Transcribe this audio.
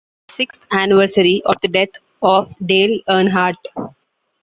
The race was on the sixth anniversary of the death of Dale Earnhardt.